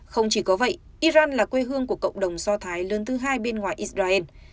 không chỉ có vậy iran là quê hương của cộng đồng do thái lớn thứ hai bên ngoài israel